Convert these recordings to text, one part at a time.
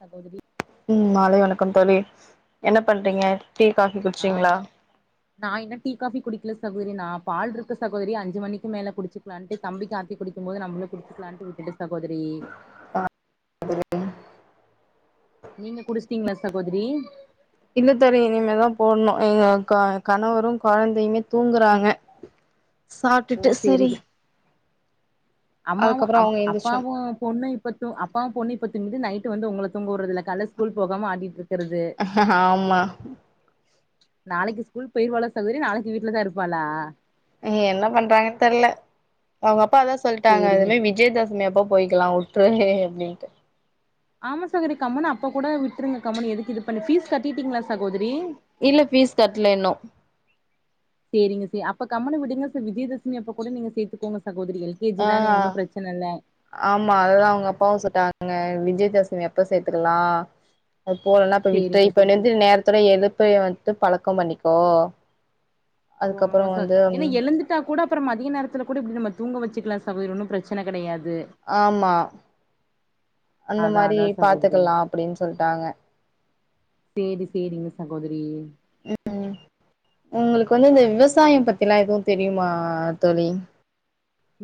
சகோதரி உம் மாலை வணக்கம் தோழி என்ன பண்றீங்க டீ காபி குடிச்சீங்களா நான் இன்னு டீ காபி குடிக்கல சகோதரி நா பால் இருக்கு சகோதரி அஞ்சு மணிக்கு மேல குடிச்சுக்கலான்ட்டு தம்பிக்கு ஆத்தி குடிக்கும் போது நம்மளும் குடிச்சிக்கலான்ட்டு விட்டுட்டே சகோதரி ஆ சகோதரி நீங்க குடிச்சிட்டீங்களா சகோதரி இல்ல தோழி இனிமேதா போடணு எ கணவரு கொழந்தையுமே தூங்குறாங்க ஓ சாப்ட்டுட்டு சேரி சரி அம்மாவு அதுக்கப்புறோ அப் அவங்க எந்திரிச்சோன் அப்பாவு பொண்ணு இப்ப தூங் அப்பாவு பொண்ணு இப்ப தூங்கிட்டு நைட்டு வந்து உங்கள தூங்க வுடுறதல கால்ல ஸ்கூல் போகாம ஆடிட்டு இருக்கறது ஆமா நாளைக்கு ஸ்கூல் போயிர்வால சகோதரி நாளைக்கு வீட்ல தா இருப்பாளா இவங்க என்ன பண்றாங்கன் தெர்ல அவங்க அப்பா அதா சொல்ட்டாங்க சேரிங்க இனிமே விஜயதசமி அப்போ போயிக்கலா உட்ரு நீ அப்டின்ட்டு ஆமா சகோதரி கம்முனு அப்ப கூட விட்டுருங்க கம்னு எதுக்கு இது பண்ணி ஃபீஸ் கட்டிட்டீங்களா சகோதரி இல்ல ஃபீஸ் கட்ல இன்னு சேரிங்க சேரி அப்ப கம்முனு விடுங்க சார் விஜயதசமி அப்ப கூட நீங்க சேத்துக்கோங்க சகோதரிகளே கேஜி தானே ஒன்னு ஆ பிரச்சன இல்ல ஆமா அததா அவங்க அப்பாவு சொல்ட்டாங்க விஜயதசமி அப்ப சேத்துக்கலா அது போலனா இப்ப விட்டுரு சேரிங்க இப்ப நெந்திரிக்கற நேர இப்பத எழுப்ப வந்துட்டு பழக்கோ பண்ணிக்கோ அதுக்கப்பறோ வந்து விட்டா கூட அப்புற மதிய நேரத்துல கூட இப்டி நம்ம தூங்க வச்சுக்கலா சகோதரி ஒன்னு பிரச்சன கெடையாது ஆமா அந்த அதா மாரி அதா சகோதரி பாத்துக்கலா அப்டின்னு சொல்ட்டாங்க சேரி சேரிங்க சகோதரி ம் உங்களுக்கு வந்து இந்த விவசாயம் பத்திலா எதூ தெரியுமா தோழி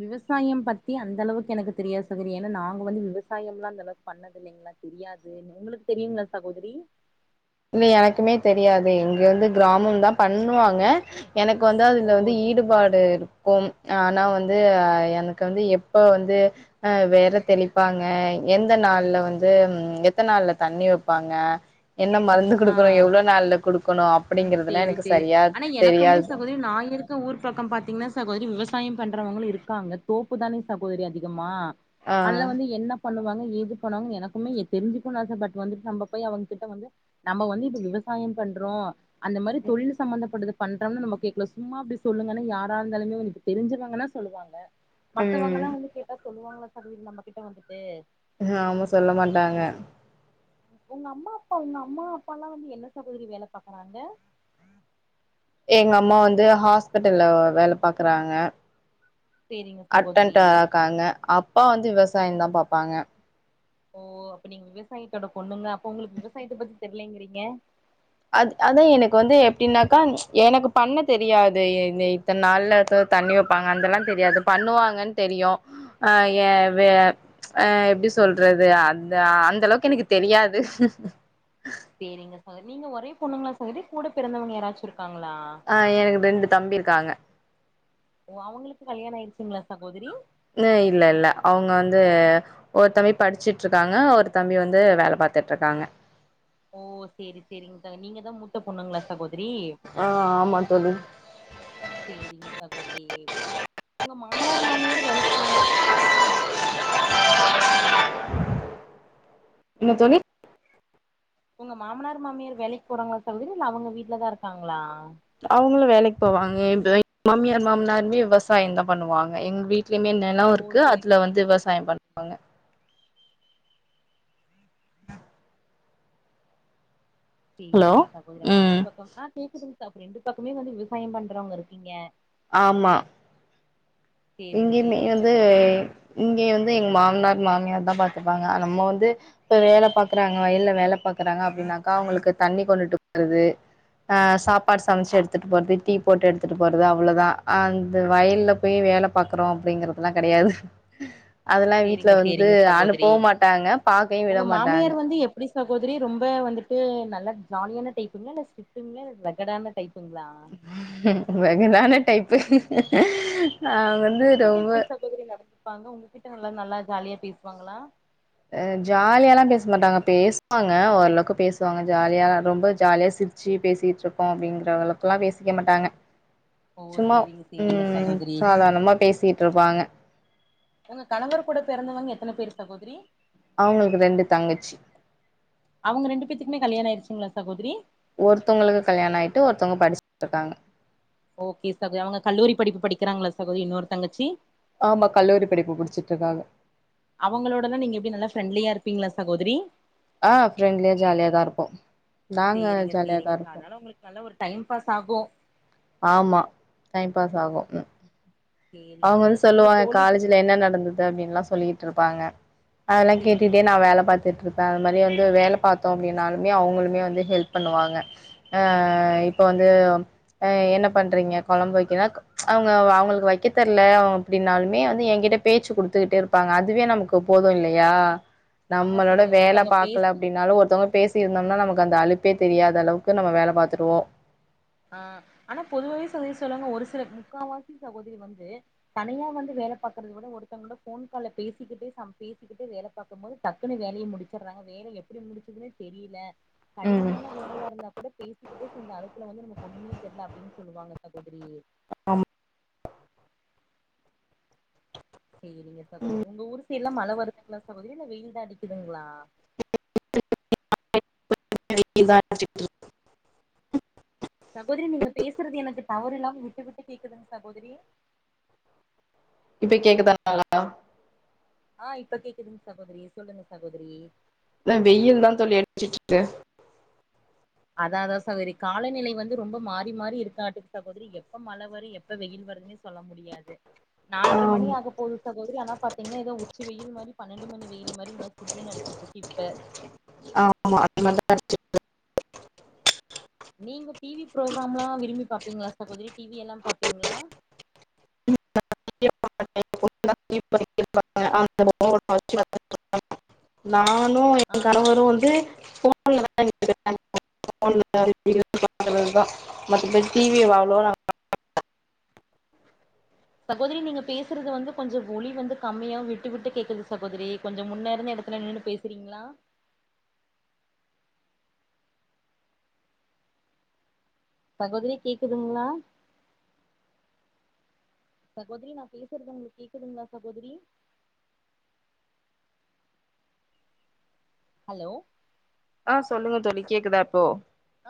விவசாயம் பத்தி அந்த அளவுக்கு எனக்கு தெரியாது சகோதரி என்ன நாங்க வந்து விவசாயம்ல்லா அந்தளவுக்கு பண்ண தில்லைங்களா தெரியாது உங்ளுக்கு தெரியுங்களா சகோதரி இல்ல எனக்குமே தெரியாதே இங்க வந்து கிராமம் தா பண்ணுவாங்க எனக்கு வந்து ஓ அதுல வந்து ஈடுபாடு இரு கும் ஆனா வந்து அ எனக்கு வந்து எப்ப வந்து அ வெற தெளிப்பாங்க எந்த நாள்ல வந்து எத்தன் நாள்ல தண்ணி வப்பாங்க என்ன மருந்து ஆ குடுக்கணு எவ்ளோ நாள்ல குடுக்கணு அப் சேரி சேரி ஆனா எனக்குமே சகோதரி நாயிர் க்க ஊர் பக்கம் பாத்தீங்கனா சகோதரி விவசாயம் பண்றவங்களு இருக்காங்க தோப்பு தானே சகோதரி அதிகமா ஆ அதுல வந்து என்ன பண்ணுவாங்க ஏது பண்ணுவாங்கனு எனக்குமே எ தெரிஞ்சுக்கனுன்னு ஆச பட் வந்துட்டு நம்ம போயி அவங்க கிட்ட வந்து நம்ம வந்து இப்ப விவசாயம் பண்றோ அந்த மாரி தொழில்ல சம்பந்தப்பட்டது பண்றோம்னு நமக்கு கேக்கலா சும்மா அப்டி சொல்லுங்கன்னா யாரா இருந்தாலுமே ஒரு தெரிஞ்சவங்கன்னா சொல்லுவாங்க மத்தவங்கல்லா ம் வந்து கேட்டா சொல்லுவாங்களா சகோதரி நம்ம கிட்ட வந்துட்டு ம் ஆமா சொல்ல மாட்டாங்க உங்க அம்மா அப்பா உங்க அம்மா அப்பால்லா வந்து என்ன சகோதரி வேல பாக்கறாங்க எங்க அம்மா வந்து ஹாஸ்பிட்டல்ல வேல பாக்கறாங்க சேரிங்க சகோதரி அட்டன்ட்டா இருக்காங்க அப்பா வந்து விவசாயந்தா பாப்பாங்க ஓ அப்ப நீங்க விவசாயத்தோட பொண்ணுங்க அப்போ உங்ளுக்கு விவசாயத்தப் பத்தி தெரியிலேங்கிறீங்க அது அதா எனக்கு வந்து எப்பிடின்னாக்கா எனக்கு பண்ணத் தெரியாது எந்த த நாள்ல தண்ணி வப்பாங்க அதுல்லா தெரியாது பண்ணுவாங்கன்னு தெரியு ஆ ஏ வே அ எப்டி சொல்றது அந்த அந்த அளவுக்கு எனக்குத் தெரியாது சேரிங்க சகோகதி நீங்க ஒரே பொண்ணுங்களா சகோதரி கூடப் பிறந்தவங்க யாராச்சு இருக்காங்களா ஆ எனக்கு ரெண்டு தம்பி இருக்காங்க ஓ அவங்ளுக்கு கல்யாண ஆயிருச்சுங்களா சகோதரி ம் இல்ல இல்ல அவங்க வந்து ஒரு தம்பி படுசிட்டு இருக்காங்க ஒரு தம்பி வந்து வேல பாத்துட் இருக்காங்க ஓ சேரி சேரிங்க ச நீங்க தா மூத்த பொண்ணுங்ளா சகோதரி ஆ ஆமா தோழி சேரிங்க சகோதரி உங்க மாமனார் மாமியார் வேலைக்கு போறாங்ளா சகோத்ரி இல்ல அவுங்க [inaudible] என்ன தோழி உங்க மாமனார் மாமியார் வேலைக்கு போறாங்ளா சகோதரி இல்ல அவுங்க வீட்லதா இருக்காங்ளா அவுங்களு வேலைக்கு போவாங்க [inaudible] மாமியார் மாமனாருமே விவசாயந் தா பண்ணுவாங்க எங் வீட்லய்மே என்ன எல்லாவு ஓ இருக்கு சேரிங்க அதுல வந்து சேரிங்க விவசாயம் சகோதரி பண்ணுவாங்க ஹலோ சேரிங்க சகோதரி அப்ப ரெண்டு ம் பக்கம் ஆ கேக்குதுங்க சகோரி ரெண்டு பக்கமே வந்து விவசாயம் பண்றவங்க இருக்கீங்க ஆமா சேரிங்க இங்கேயுமே சேரிங்க வந்து சகோதரி இங்கேயு வந்து எங்க மாமனார் மாமியார் தா பாத்துப்பாங்க அ நம்ம வந்து இப்ப வேல பாக்குறாங்க வயல்ல வேல பாக்குறாங்க அப்டின்னாக்கா அவுங்களுக்கு தண்ணி கொண்டுட்டுப் போறது அ சாப்பாடு சமச்சு எடுத்துட்டு போறது டீ போட்டு எடுத்துட்டு போறது அவ்ளோதா அந்த வயல்ல போய் வேல பாக்குறோ அப்டிங்கிறதுலா கெடையாது அதெல்லா வீட்ல சேரிங்க வந்து சேரிங்க சகோதரி அனுப்பவு மாட்டாங்க பாக்கையி விட உங்க மாட்டாங்க மாமியார் வந்து எப்டி சகோதரி ரொம்ப வந்துட்டு நல்லா ஜாலியான டைப்புங்ளா இல்ல ஸ்டிட்டுங்ளா இல்ல ரகடான டைப்புங்ளா ரகடான டைப்பு அவங்க ஒ வந்து உங்ககிட்ட ரொம்ப எப்டி சகோதரி நடந்துப்பாங்க உங்ககிட்ட நல்லா நல்லா ஜாலியா பேசுவாங்களா அ ஜாலியாலா பேச மாட்டாங்க பேசுவாங்க ஓரளவுக்கு பேசுவாங்க ஜாலியா ரொம்ப ஜாலியா சிருச் ச்சி பேசிட்ருக்கோ அப்டிங்குற அளவுக்குலா பேசிக்க மாட்டாங்க ஓ சும்மா சேரிங்க சேரிங்க ம் சகோதரி சாதார்ணமா பேசிட்ருப்பாங்க உங்க கணவர் கூட பெறந்தவங்க எத்தன பேர் சகோதரி அவுங்களுக்கு ரெண்டு தங்கச்சி அவுங்க ரெண்டு பேத்துக்குமே கல்யாணொ ஆயிர்ச்சுங்ளா சகோதரி ஒருத்தவுங்களுக்கு கல்யாணொ ஆகிட்டு ஒருத்தவுங்க படுச்சுட்டு இருக்காங்க ஓகே சகோரி அவுங்க கல்லூரி படிப்பு படிக்றாங்ளா சகோத்ரி இன்னொரு தங்கச்சி ஆமா கல்லூரி படிப்பு முடுச்சுட் இருக்காங்க அவுங்களோடெல்லா நீங்க எப்டி நல்லா ஃப்ரெண்ட்லியா இருப்பீங்ளா சகோதிரி ஆ ஃப்ரெண்ட்லியே ஜாலியா தா இருப்போ நாங்க ஜாலியா தா இருப்போ நல்லா ஒரு டைம் பாஸ் ஆகு ஆமா டைம் பாஸ் ஆகு சேரி அவுங்க வந்து உங்க உங்க சொல்லுவாங்க தோழி காலேஜ்ல என்ன நடந்தது அப்டின்லா சொல்லிகிட்டு இருப்பாங்க அதெல்லா சேரிங்க கேட்டுட்டே நா சிஸ் வேல பாத்துட்டு இருப் பே அது மாரி வந்து வேல பாத்தோ அப்டின்னாலுமே அவுங்களுமே வந்து ஹெல்ப் பண்ணுவாங்க அ இப்போ வந்து அ என்ன பண்றீங்க கொழம்பு வக்கென்னா அவுங்க அவுங்களுக் வக்கெ தெர்ல அப்டின்னாலுமே வந்து என்கிட்ட பேச்சு குடுத்துகிட்டே இருப்பாங்க அதுவே நமக்கு போது இல்லையா ஆமா நம்மளோட சகோ வேல ஒருத்தவங்க பேஸ் பாக்கல அப் டினாலு ஒருத்தவங்க பேசி இருந்தோம்னா நமக்கு அந்த அழுப்பே தெரியாத அளவுக்கு நம்ம வேல பாத்துருவோ ஆ ஆனா பொதுவாவே சகோத்ரி சொல்லுவாங்க ஒரு சில முக்கா வாசி சகோதிரி வந்து தனியா வந்து வேல பாக்றத விட ஒருத்தவங்ளொட போன் கால்ல பேசிக்கிட்டு சம் பேசிக்கிட்டு வேல பாக்கும் போது டக்குன்னு வேலய முடுச்சட்றாங்க வேல எப்புடி முடுச்சதுனே தெரிய்ல ம் கடினமான வேலையா இருந்தா கொட பேசிக்கிட்டே செஞ்ச அழுப்புல வந்து நம்ம ஒன்னுமே தெர்ல அப்டின்னு சொல்லுவாங்க சகோதிரி ஆமா சேரிங்க சகோதரி உங்க ஊருசைட்லா மழ வருதுங்ளா சகோதரி இல்ல வெயில்தா அடிக்குதுங்ளா வெயில் தா அடிச்சிட்ருக் சகோதரி நீங்க பேசுறது எனக்கு டவரு இல்லாம விட்டு விட்டு கேக்குதுங் சகோதரி இப்ப கேக்குதா நல்லா ஆ இப்ப கேக்குதுங் சகோதரி சொல்லுங்க சகோதரி த வெயில் தா தோழி அடிச்சிட்ருக்கு அத அததா சகோதரி காலநிலை வந்து ரொம்ப மாறி மாறி இருக்காட்டுக்கு சகோதரி எப்ப மழ வரு எப்ப வெயில் வருதுன் னு சொல்ல முடியாது நால்ட்ற மணி ஆமா ஆக போது சகோதரி ஆனா பாத்தீங்னா எதோ உச்சி வெயில் மாரி பன்னெண்டு மணி வெயில் மாரி நல்ல சுர்ருனு அடிச்சுட்ருக்கு இப்ப ஆமா அது மாரிதா அடிச்சுட்ருக்கு நீங்க டி வி புரோக்ராம்லா விரும்பி பாப்பீங்ளா சகோதிரி டி வி எல்லா பாப்பீங்ளா [unintelligible] நானு ஆ என் கணவரு வந்து ஃபோன் [unintelligible] மத்தபடி டி வி வாங்னோன் அவ் சகோதிரி நீங்க பேசுறது வந்து கொஞ்ச ஒலி வந்து கம்மியா விட்டு விட்டு கேக்குது சகோதிரி கொஞ்ச முன்னே இருந்த இடத்துல நின்னு பேசுறீங்ளா சகோதிரி கேக்குதுங்ளா சகோதிரி நா பேசுற்து உங்ளுக் கேக்குதுங்ளா சகோதிரி அலோ ஆ சொல்லுங்க தோழி கேக்குதா இப்போ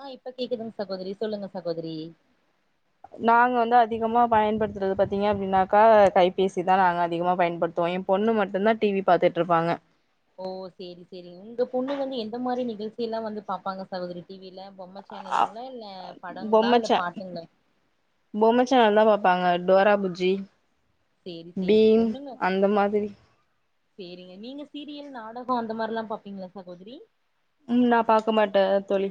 ஆ இப்ப கேக்குதுங் சகோதரி சொல்லுங்க சகோதரி நாங்க வந்து அதிகமா பயன்படுத்துறது பாத்தீங்க அப்டின்னாக்கா கைபேசி தா நாங்க அதிகமா பயன்படுத்துவோ எ பொண்ணு மட்டுந்தா டி வி பாத்துட்ருப்பாங்க ஓ சேரி சேரி உங்க பொண்ணு வந்து எந்த மாரி நிகழ்ச்சிலா வந்து பாப்பாங்க சகோதரி டி வி யில பொம்ம சேனலுங்ளா இல்ல படங்ளா பொம்ம இல்ல சே பாட்டுங்ளா பொம்ம சேனல் தா பாப்பாங்க டோரா புஜ்ஜி சேரி சேரி பீம் பொண்ணுங்க அந்த மாதிரி சேரிங்க நீங்க சீரியல் நாடகோ அந்த மார்லா பாப்பீங்ளா சகோதரி ம் நா பாக்க மாட்ட தோழி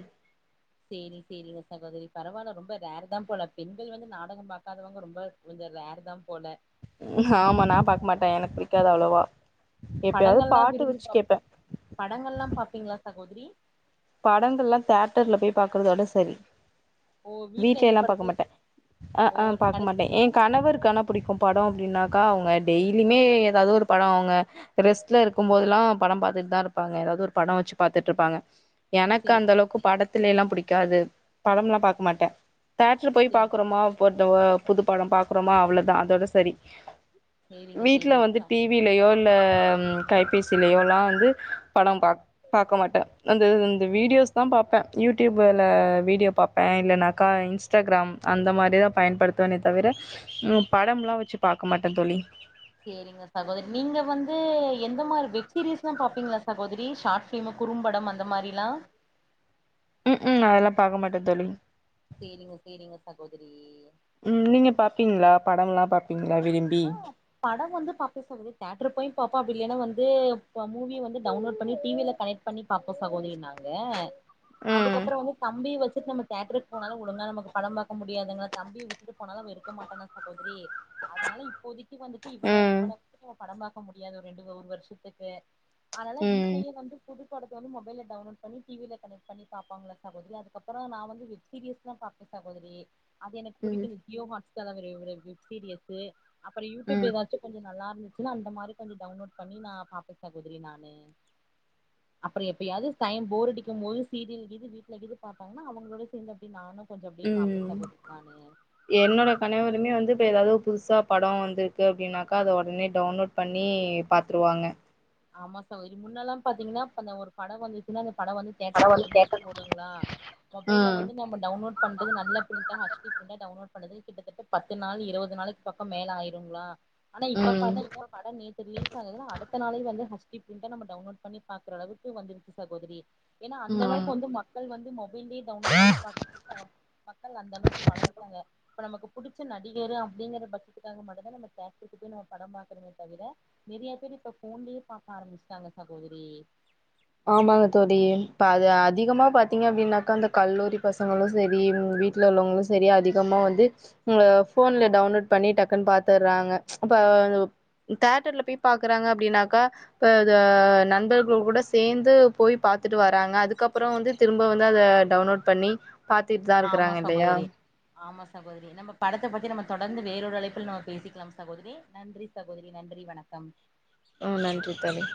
சேரி சேரிங்க சகோதரி பரவால்ல ரொம்ப ரேரு தா போல பெண்கள் வந்து நாடகம் பாக்காதவங்க ரொம்ப கொஞ்ச ரேர் தா போல ஆமா நா பாக்க மாட்டே எனக் புடிக்காது அவ்ளோவா எப்பயாது படங்கள்லா பாட்டு விரும்பி வச்சு பாப் கேப்பே படங்கள்லா பாப்பீங்ளா சகோதரி படங்கள்லா தேட்டர்ல போய் பாக்குறதோட செரி ஓ வீட்ல எந்த வீட்லேலா பாக்க படத்தையு மாட்டே அ ஓ ஆ பாக்க கடை மாட்டே ஏ கணவர்கு ஆன புடிக்கு படோ அப்டினாக்கா அவுங்க டெய்லிமே ஏதாது ஒரு படோ அவுங்க ரெஸ்ட்ல இருக்குபோதுலா படம் பாத்துட் தா இருப்பாங்க ஏதாது ஒரு பட வச்சு பாத்துட்ருப்பாங்க எனக்கு சேரி அந்தளவுக்கு படத்திலெலா புடிக்காது படம்லா பாக்க மாட்டே தேட்ரு போய் சேரி பாக்குறோமா போத்த ஒ புது படம் பாக்குறோமா அவ்ளதா அதோட செரி சேரிங்க வீட்ல சேரிங்க வந்து டி வி லேயோ இல்ல கைபேசிலேயோலா வந்து படோ பாக் பாக்க மாட்டே அந்தது இந் த வீடியோஸ் தா பாப்பே யூடியூபுல வீடியோ பாப்பே இல்லனாக்கா இன்ஸ்டாகிராம் அந்த மாரிதா பயன்படுத்துவேனே தவிர உ படம்லா வச்சு பாக்க மாட்டே தோழி சேரிங்க சகோதரி நீங்க வந்து எந்த மார் வெப்சீரிஸ்தா பாப்பிங்ளா சகோதரி ஷார்ட் பிலிமு குறும்படம் அந்த மாரிலா உஉம் அதெல்லா பாக்க மாட்டே தோழி சேரிங்கோ கேரிங்கோ சகோதரி ம் நீங்க பாப்பிங்ளா படல்லா பாப்பிங்ளா விரும்பி படொ வந்து பாப்பே சகோதரி தேட்டர் போய் பாப்பா அப்பிடி என வந்து அ மூவி வந்து டவ்ன்லோட் பண்ணி டிவில கனெட் பண்ணி பாப்போ சகோதரி நாங்க ம் அதுக்கப்றொ வந்து தம்பி வச்சிட் நம்ம தேட்ருக் போனாலு ஒழுங்கா நமக்கு படம் பாக்க முடியாதுங்க தம்பிய விட்டுட்டு போனாலு அவ் வெருக்க மாட்டா தா சகோதரி னால இப்போதிக்கு வந்துட்டு இவன ம் இவன [unintelligible] படம் பாக்க முடியாது ஒ ரெண்டுவொ ஒரு வர்ஷத்துக்கு அனால ம் வீட்லேயே வந்து புதுப்படத்த வந்து மொபைல டவ்ன்லோட் பண்ணி டிவில கனட் பண்ணி பாப்பாங்கல்ல சகோதரி அதுக்கப்பறோ நா வந்து வித் சீரியஸ்லா பாப்பே சகோதரி அது எனக்கு ம் புடிக்கு இந்த ஜியோ ஹாட்ஸ் [unintelligible] வ்யுப்சீரியஸு அப்பறு யூட்யூப் ம் எதாச்சு கொஞ்சொ நல்லாருந்ச்சுன்னா அந்த மாரி கொஞ்சு டவ்ன்லோட் பண்ணி நா பாப்பே சகோதரி நானு அப்ற எப்பயாது சய்ம் போர் அடிக்கும் போது சீரியல் கீது வீட்ல கீது பாப்பாங்னா அவங்களோடே சேந்து அப்டி நானு கொஞ்சொ அப்டியே பாப்பே ம் சகோதரி நானு என்னோட கனவருமே வந்து இப்போ ஏதாது புதுசா படொ வந்துர்க்கு அப்டின்னாக்கா அத ஒடனே டவ்ன்லோட் பண்ணி பாத்துருவாங்க ஆமா சகோரி முன்னல்லா பாத்திங்கின்னாப் ப அந்த ஒரு பட வந்துச்சுன்னா அந்த பட வந்து தேட்டர்ல பரவால்ல ஒரு மாசோ ஓடுங்ளா மொபைல ம் வந்து நம்ம டவ்ன்லோட் பண்றது நல்ல ப்ரிண்ட்டா ஹச் டி ப்ரிண்ட்டா டவ்ன்லோட் பன்னது கிட்டத்தட்ட பத்து நாள் இருவது நாளுக்கு பக்கம் மேல ஆய்ருங்ளா ஆனா இப்ப ம் ம் பாத்திங்னா பட நேத்து ரிலீஸ் ஆகுதுலா அடுத்த நாளே இவெ ஹச் டி ப்ரிண்ட்டா நம்ம டவ்ன்லோட் பண்ணி பாக்ற அளவுக்கு வந்துருச்சு சகோதரி ஏனா அந்த ஆமா அளவுக்கு வந்து மா க்கள் வந்து மொபைல்யே டவ்ன்லோட் பண்ணி பாக் ஆ மக்கள் அந்த அளவுக்கு வளந்துட்டாங்க இப்ப நமக்கு புடிச்ச நடிகரு அப்டிங்கிற பச்சத்துக்காக மட்டுந்தா நம்ம தேட்டருக்கு போய் நம் படம் பாக்றமே தவிர நிறையா பேர் இப்ப ஃபோன்லியே பாக்க ஆரம்பிச்டாங்க சகோதரி ஆமாங்க தொடின் பாது அதிகமா பாத்திங்க அப்டின்னாக்கா அந்த கல்லூரி பசங்களு சரி இவ் வீட் ல உள்ளவங்களு சரி அதிகமா வந்து ன்ல ஃபோன்ல டவ்ன்லோட் பண்ணி டக்குன் பாத்துர்றாங்க அப்ப ரு தேட்டர்ல போய் பாக்குறாங்க அப்டின்னாக்கா ப தா நண்பர்கள் கூடஸ் சேந்து போய் பாத்துட்டு வராங்க அதுக்கப்றோ வந்து திரும்ப வந்து அத டவ்ன்லோட் பண்ணி பாத்திட் தா ஆமா இருக்றாங்க இல்லையா சகோதரி ஆமா சகோதரி நம்ம படத்த பத்தி நம்ம தொடந்து வேறொரு அழைப்பில் நா பேசிக்லாம் சகோதரி நன்றி சகோதரி நன்றி வணக்கம் ஓ நன்றி தோழி